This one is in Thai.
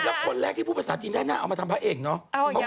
แล้วคนแรกที่พูดภาษาจีนได้หน้าเอามาทำพระเอกเนอะ